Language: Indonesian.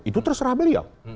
itu terserah beliau